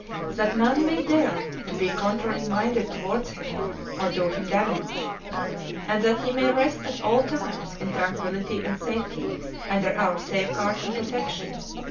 That none may dare to be contrary minded towards him or do him damage; and that he may rest at all times in tranquillity and safety under our safeguard and protection.